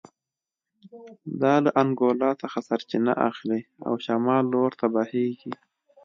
دا له انګولا څخه سرچینه اخلي او شمال لور ته بهېږي